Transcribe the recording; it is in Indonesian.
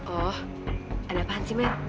oh ada apaan sih mbak